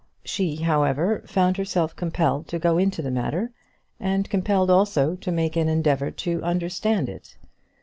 She, however, found herself compelled to go into the matter, and compelled also to make an endeavour to understand it.